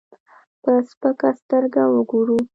په سپکه سترګه وګورو.